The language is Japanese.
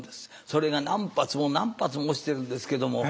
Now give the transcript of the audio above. それが何発も何発も落ちてるんですけども。